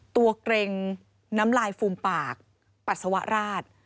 เกร็งน้ำลายฟูมปากปัสสาวะราช